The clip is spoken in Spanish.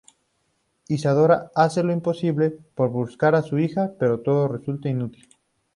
Isadora hace lo imposible por buscar a su hija, pero todo resulta inútil.